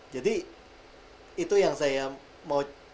jadi itu yang saya mau